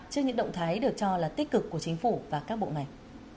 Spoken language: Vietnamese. trước những động thái được cho là tích cực của chính phủ và các bộ ngành